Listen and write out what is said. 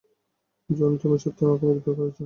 জন, তুমি সত্যিই আমাকে মুগ্ধ করেছে।